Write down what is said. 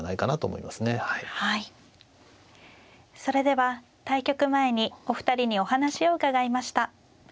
それでは対局前にお二人にお話を伺いました。